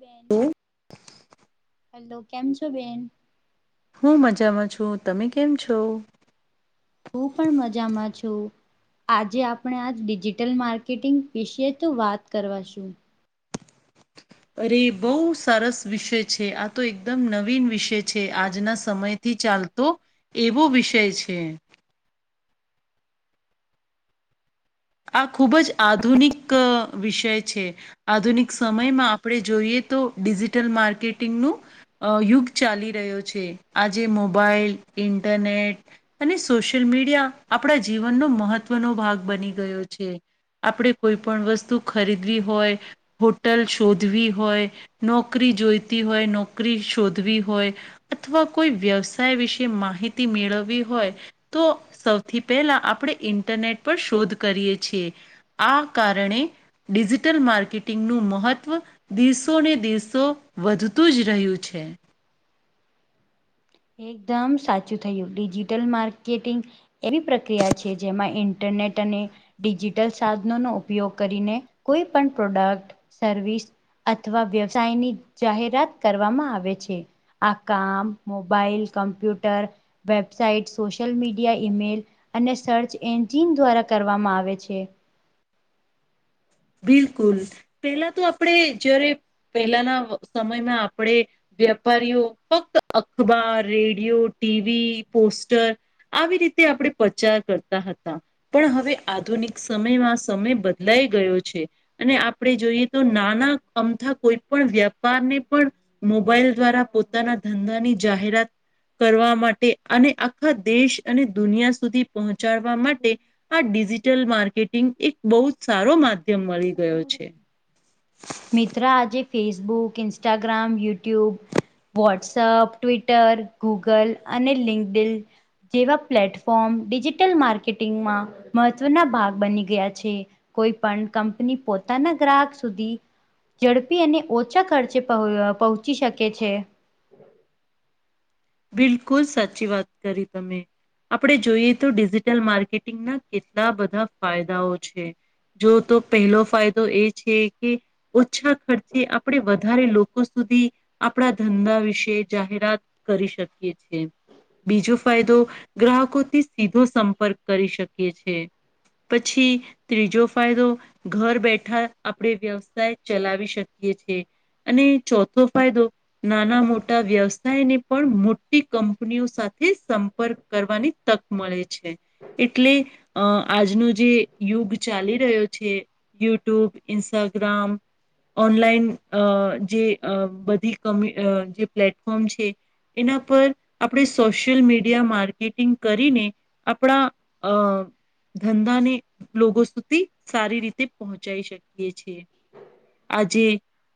બેન હમ. હલો કેમ છો બેન? હું મજામાં છું. તમે કેમ છો? હું પણ મજામાં છું. આજે આપણે આજ ડિજિટલ માર્કેટિંગ વિશે તો વાત કરવાશું. અરે! બહુ સરસ વિષય છે, આતો એકદમ નવીન વિષય છે. આજના સમય થી ચાલતો એવો વિષય છે. આ ખૂબ જ આધુનિક વિષય છે. આધુનિક સમયમાં આપણે જોઈએ તો ડિજિટલ માર્કેટિંગનું અ યુગ ચાલી રહ્યો છે. આજે મોબાઈલ, ઇન્ટરનેટ અને સોશિયલ મીડિયા આપણા જીવનનો મહત્વનો ભાગ બની ગયો છે. આપણે કોઈ પણ વસ્તુ ખરીદવી હોય. હોટલ શોધવી હોય, નોકરી જોઈતી હોય, નોકરી શોધવી હોય. અથવા કોઈ વ્યવસાય વિશે માહિતી મેળવવી હોય. તો સૌથી પહેલા આપણે ઇન્ટરનેટ પર શોધ કરીએ છીએ. આ કારણે ડિજિટલ માર્કેટિંગનું મહત્ત્વ દિવસો ને દિવસો વધતું જ રહ્યું છે. એકદમ સાચું થયું ડિજિટલ માર્કેટિંગ એવી પ્રક્રિયા છે, જેમાં ઇન્ટરનેટ અને ડિજિટલ સાધનોનો ઉપયોગ કરીને કોઈપણ પ્રોડક્ટ સર્વિસ અથવા વ્યવસાયની જાહેરાત કરવામાં આવે છે, આ કામ mobile, computer, website, social media, email અને સર્ચએન્જિન દ્વારા કરવામાં આવે છે. બિલકુલ પેલા તો આપણે જ્યારે પહેલાના સમયમાં આપણે વ્યાપારીઓ ફક્ત અખબાર રેડિયો ટી. વી પોસ્ટર આવી રીતે આપણે પ્રચાર કરતા હતા. પણ હવે આધુનિક સમયમાં સમય બદલાઈ ગયો છે. છે, અને આપણે જોઈએ તો નાના અમથા કોઈ પણ વ્યાપારને પણ મોબાઈલ દ્વારા પોતાના ધંધાની જાહેરાત. કરવા માટે અને આખા દેશ અને દુનિયા સુધી પહોંચાડવા માટે આ ડિજિટલ માર્કેટિંગ એક બહુ જ સારો માધ્યમ મળી ગયો એ છે. મિત્ર આજે Facebook, Instagram YouTube WhatsApp, Twitter, Google અને લિંકડિનની. જેવા પ્લેટફોર્મ ડિજિટલ માર્કેટિંગમાં મહત્વના ભાગ બની ગયા છે. કોઈપણ કંપની પોતાના ગ્રાહક સુધી ઝડપી અને ઓછા ખર્ચે પહોંચી શકે છે. બિલકુલ સાચી વાત કરી તમે આપણે જોઈએ તો ડિજિટલ માર્કેટિંગના કેટલા બધા ફાયદાઓ છે. જોતો પહેલો ફાયદો એ છે, કે ઓછા ખર્ચે આપણે વધારે લોકો સુધી આપણા ધંધા વિશે જાહેરાત કરી શકીએ છીએ. બીજો ફાયદો ગ્રાહકોથી સીધો સંપર્ક કરી શકીએ છે. પછી ત્રીજો ફાયદો ઘર બેઠા આપણે વ્યવસાય ચલાવી શકીએ છીએ. અને ચોથો ફાયદો નાના મોટા વ્યવસાયને પણ મોટી કંપનીઓ સાથે સંપર્ક કરવાની તક મળે છે. એટલે અ આજનો જે યુગ ચાલી રહ્યો છે. યુટ્યુબ, ઇન્સ્ટાગ્રામ ઓનલાઈન અજે બધીમ જે પ્લેટફોર્મ છે. એના પર આપણે સોશિયલમીડિયા માર્કેટિંગ કરીને આપણા અ ધંધાને લોકો સુધી સારી રીતે પહોંચાઈ શકીએ છીએ. આજે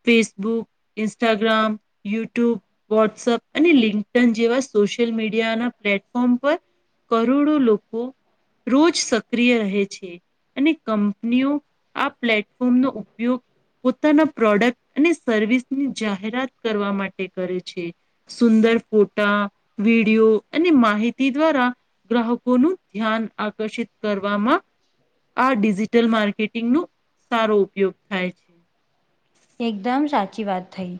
ફેસબુક, ઇન્સ્ટાગ્રામ, યુટ્યુબ, વોટ્સઅપ. અને લિંકટન જેવા સોશિયલ મીડિયાના પ્લેટફોર્મ પર કરોડો લોકો રોજ સક્રિય રહે છે. અને કંપનીઓ આ પ્લેટફોર્મનો ઉપયોગ. પોતાના પ્રોડક્ટ અને સર્વિસની જાહેરાત કરવા માટે કરે છે. સુંદર ફોટા વિડીયો અને માહિતી દ્વારા ગ્રાહકોનું ધ્યાન આકર્ષિત કરવામા આ ડિજિટલ માર્કેટિંગ ન સારો ઉપયોગ થાય છે. એકદમ સાચી વાત થઈ.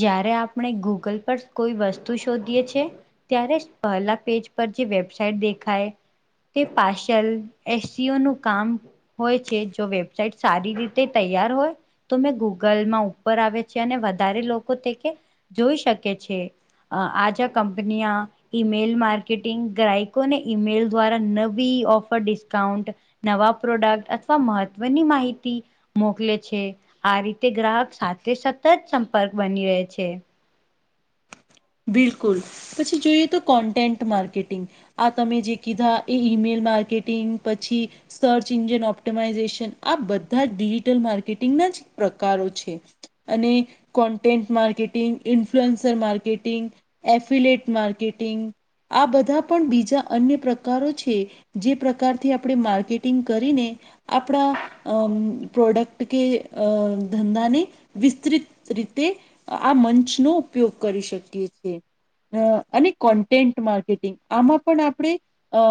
જયારે આપણે ગૂગલ પર કોઈ વસ્તુ શોધીએ છે. ત્યારે પહેલા પેજ પર જે વેબસાઇટ દેખાય તે પાશૅલ એસીઓનુ કામ હોય છે, જો વેબસાઇટ સારી રીતે તૈયાર હોય તો મેં ગૂગલ કલમાં ઉપર આવે છે, અને વધારે લોકો તેકે જોઈ શકે છે. અ આજ કંપનિયા. ઈમેલ માર્કેટિંગ ગ્રાહકોને ઈમેલ દ્વારા નવી ઓફર ડિસ્કાઉન્ટ નવા પ્રોડક્ટ અથવા મહત્વની માહિતી મોકલે છે આ રી તે ગ્રાહક સાથે સતત સંપર્ક બની રહે છે. બિલકુલ પછી જોઈએ તો કોન્ટેન્ટ માર્કેટિંગ આ તમે જે કીધા એ ઈમેલ માર્કેટિંગ પછી સર્ચ ઇન્જિન ઓપ્ટમાઈઝેશન આ બધા જ ડિજિટલ માર્કેટિંગના જ પ્રકારો છે. અને કોન્ટેન્ટ માર્કેટિંગ ઇન્ફ્લુઅન્સર માર્કેટિ માર્કેટિંગ આ બધા પણ બીજા અન્ય પ્રકારો છે. જે પ્રકારથી આપણે માર્કેટિંગ કરીને આપણા અ પ્રોડક્ટ કે અ ધંધાને વિસ્તૃત રીતે આ મંચનોો ઉપયોગ કરી શકીએ છીએ. અ અને કોન્ટેન્ટ માર્કેટિંગ આમાં પણ આપણે અ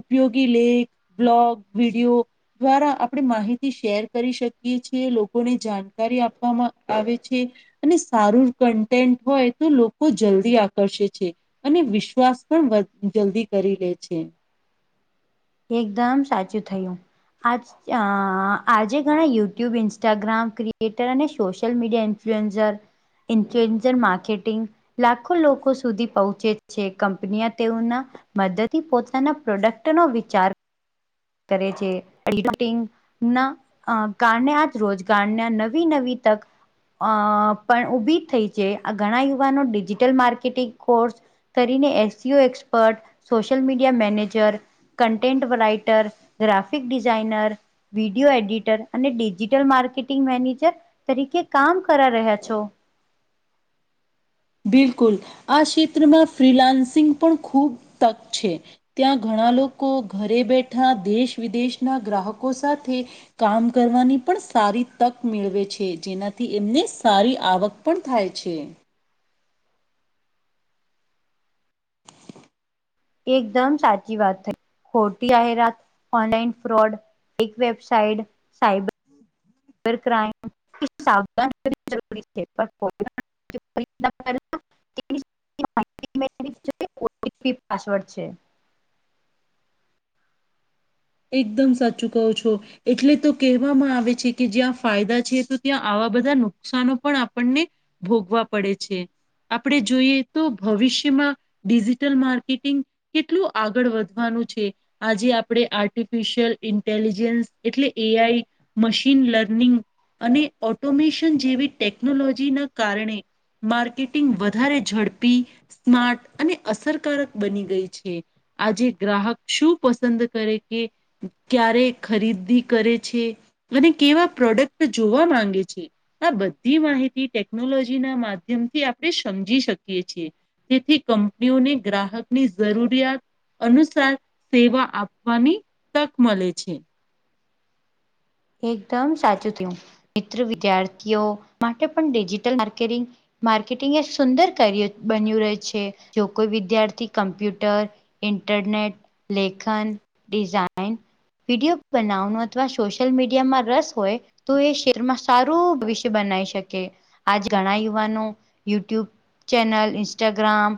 ઉપયોગી લેખ બ્લોગ વિડીયો દ્વારા આપણે માહિતી શેર કરી શકીએ છીએ લોકોને જાણકારી આપવામાં આવે છે. અને સારું કન્ટેન્ટ હોય તો લોકો જલ્દી આકર્ષે છે અને વિશ્વાસ પણ જલ્દી કરી લે છે. એકદમ સાચું થયું આજ અ આજે ઘણા યુટ્યુબ ઇન્સ્ટાગ્રામ ક્રિએટર અને social media influencer influencer marketing લાખો લોકો સુધી પહોંચે છે કંપનીયા તેઓના મદદથી પોતાના પ્રોડક્ટ નો વિચાર કરે છે પલી રૂટીગ ના કારને રોજગારને નવી નવી તક અ પણ ઉભી થઈ છે આ ઘણા યુવાનો ડિજિટલ માર્કેટિંગ કોર્સ કરીને SEO expert social media manager content writer graphic designer video editor અને ડિજિટલ માર્કેટિંગ મેનેજર તરીકે કામ કરા રહ્યા છો. બિલકુલ આ ક્ષેત્રમાં ફ્રીલાન્સિંગ પણ ખૂબ તક છે. ત્યાં ઘણા લોકો ઘરે બેઠા દેશ વિદેશના ગ્રાહકો સાથે કામ કરવાની પણ સારી તક મેળવે છે જેનાથી એમને સારી આવક પણ થાય છે. એકદમ સાચી વાત થઈ ખોટી જાહેરાત ઓનલાઈન ફ્રોડ એક વેબસાઇટ સાઇબર હમ [inaudible] [inaudible] [inaudible] [inaudible] પાસવર્ડ છે. એકદમ સાચું કહો છો. એટલે તો કહેવામાં આવે છે કે જ્યાં ફાયદા છે તો ત્યાં આવા બધા નુકસાનો પણ આપણને ભોગવા પડે છે. આપણે જોઈએ તો ભવિષ્યમાં ડિજિટલ માર્કેટિંગ કેટલું આગળ વધવાનું છે આજે આપણે આ આર્ટિફિશિયલ ઇન્ટેલિજન્સ એટલે એ આઈ મશીન લર્નિંગ અને ઓટોમેશન જેવી ટેકનોલોજીના કારણે માર્કેટિંગ વધારે ઝડપી સ્માર્ટ અને અસરકારક બની ગઈ છે. આજે ગ્રાહક શું પસંદ કરે કે ક્યારે ખરીદી કરે છે. અને કેવા પ્રોડક્ટ જોવા માંગે છે. આ બધી માહિતી ટેકનોલોજી ના માધ્યમથી આપણે સમજી શકીએ છીએ. તેથી કંપનીઓને ગ્રાહકની જરૂરિયાત અનુસાર સેવા આપવાની તક મલે છે. એકદમ સાચું થયું મિત્ર વિદ્યાર્થીઓ માટે પણ ડિજિટલ માર્કેટિંગ માર્કેટિંગ એ સુંદર કાર્ય બન્યું રહે છે જો કોઈ વિદ્યાર્થી કમ્પ્યુટર ઇન્ટરનેટ, લેખન, ડિઝાઇન, વિડીયો બનાવવાનું અથવા સોશ યલ મીડિયામાં રસ હોય તો એ શેરમાં સારું ભવિષ્ય બનાઈ શકે. આજ ઘણા યુવાનો YouTube channel, Instagram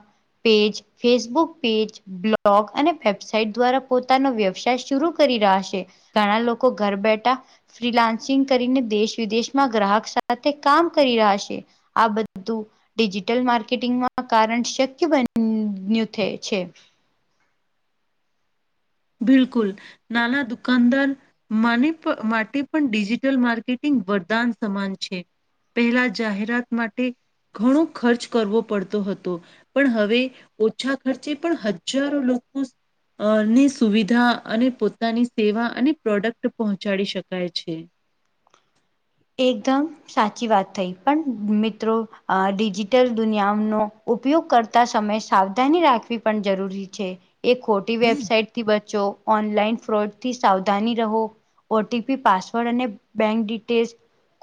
page, Facebook page blog અને વેબસાઇટ દ્વારા પોતાનો વ્યવસાય શુરુ કરી રાશે. ઘણા લોકો ઘર બેઠ ઠા ફ્રિલાન્સિંગ કરીને દેશ વિદેશમાં ગ્રાહક સાથે કામ કરી રહા સે. આ બધું ડિજિટલ માર્કેટિંગમાં કારણ શક્ય બન્યું થે છે. બિલકુલ, નાના દુકાનદાર માનીપ માટે પણ ડિજિટલ માર્કેટિંગ વરદાન સમાન છે. પહેલા જાહેરાત માટે ઘણો ખર્ચ કરવો પડતો હતો. પણ હવે ઓછા ખર્ચે પણ હજારો લોકો અ નેસ સુવિધા અને પોતાની સેવા અને પ્રોડક્ટ પહોંચાડી શકાય છે. એકદમ સાચી વાત થઈ પણ મિત્રો અ ડિજિટલ દુનિયાનો ઉપયોગ કરતા સમયે સાવધાની રાખવી પન જરૂરી છે, એક ખોટી વેબસાઇટ થી બચો ઓનલાઈન ફ્રોડ થી સાવધાની રહો. ઓટીપી, પાસવર્ડ અને બેંક ડિટેલ્સ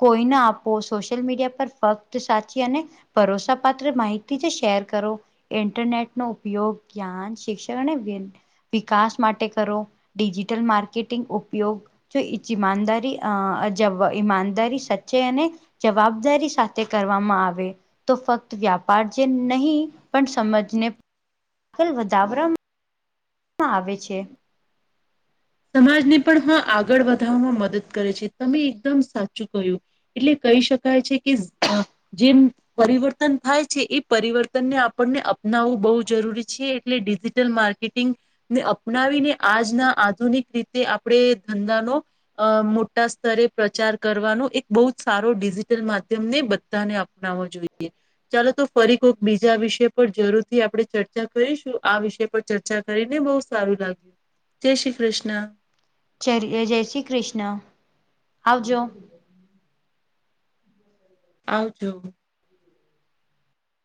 કોઈ ના આપો સોશ્યલ મીડિયા પર ફક્ત સાચી અને ભરોસાપાત્ર માહિતી જ શેર કરો. ઇન્ટરનેટ નો ઉપયોગ જ્ઞાન, શિક્ષણ અને વેન વિકાસ માટે કરો ડિજિટલ માર્કેટિંગ ઉપયોગ જો ઇચ ઈમાનદારી અ જબ ઈમાન દારી સાચ્ચે અને જવાબદારી સાથે કરવામાં આવે. તો ફક્ત વ્યાપાર જે નહીં પન સમજને ફલ વધાવરામ માં આવે છે. સમાજને પણ હા આગળ વધાવામાં મદદ કરે છે તમે એકદમ સાચું કહ્યું. એટલે કહી શકાય છે કે અ જેમ પરિવર્તન થાય છે એ પરિવર્તનને આપણને અપનાવવું બઉ જરૂરી છે એટલે ડિજિટલ માર્ક ર્કેટિંગ ને અપનાવીને આજના આધુનિક રીતે આપણે ધંધાનો અ મોટા સ્તરે પ્રચાર કરવાનો એક બઉ જ સારો ડિજિટલ માધ્યમને બધાને આપ નાવો જોઈએ. ચાલો તો ફરી કોક બીજા વિષય પર જરૂરથી આપડે ચર્ચા કરીશું આ વિષ પર ચર્ચા કરીને બઉ સારું લાગ્યું જય શ્રી કૃષ્ણ. ચેરી અ જય શ્રી કૃષ્ણ, આવજો. આવજો.